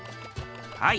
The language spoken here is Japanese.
はい。